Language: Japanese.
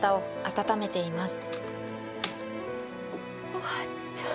終わった。